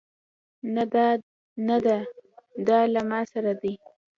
نه دا نده دا له ما سره دی